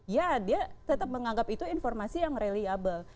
ya dia tetap menganggap itu informasi yang reliable